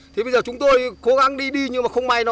thế bây giờ chúng tôi cố gắng đi đi nhưng mà không may nó